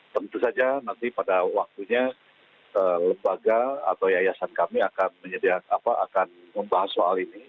tentu saja nanti pada waktunya lembaga atau yayasan kami akan membahas soal ini